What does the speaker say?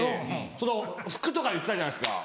その拭くとか言ってたじゃないですか。